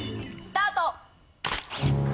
スタート！＃